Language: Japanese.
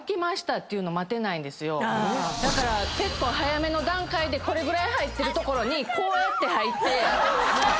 だから結構早めの段階でこれぐらい入ってるところにこうやって入って。